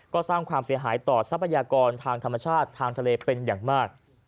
ก็สร้างความเสียหายต่อทรัพยากรทางธรรมชาติทางทะเลเป็นอย่างมาก